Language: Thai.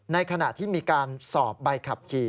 ในขณะที่มีการสอบใบขับขี่